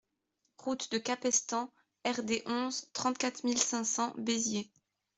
Route de Capestang Rd onze, trente-quatre mille cinq cents Béziers